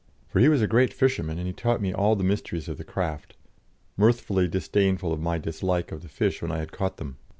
For he was a great fisherman, and he taught me all the mysteries of the craft, mirthfully disdainful of my dislike of the fish when I had caught them.